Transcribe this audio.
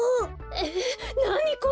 えっなにこれ？